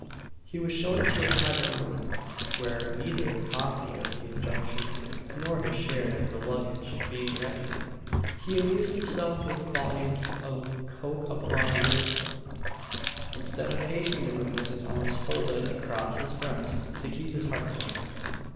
He was shown into a private room; where, neither the copy of the injunction nor "his share of the luggage" being ready, he amused himself with a volume of "Coke upon Lyttleton" instead of pacing the room with his arms folded across his breast to keep his heart down.